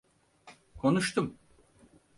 Konuştum…